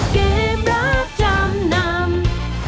เกมรับจำนำ